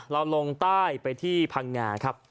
ลงใต้ไปที่พังงาครับ